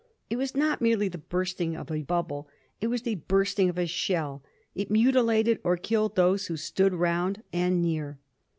It was not merely the bursting of a bubble ; it was the bursting of a shell — ^it mutilated or killed those who stood around and near.